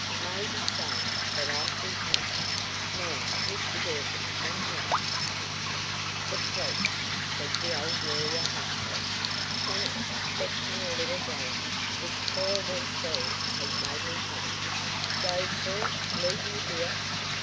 "May be so, but I think not. Now, Mr Girtle, what next?" "The police," said the old lawyer huskily. "Preenham, fetch me a little brandy; this terrible scene has made me faint." "Go, sir? Leave you here?"